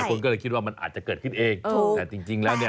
แต่หลายคนก็เลยคิดว่ามันอาจจะเกิดขึ้นเองเออแต่จริงจริงแล้วเนี้ย